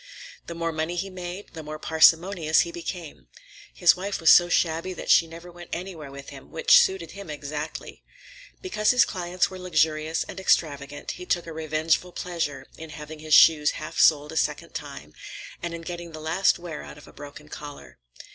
The more money he made, the more parsimonious he became. His wife was so shabby that she never went anywhere with him, which suited him exactly. Because his clients were luxurious and extravagant, he took a revengeful pleasure in having his shoes halfsoled a second time, and in getting the last wear out of a broken collar.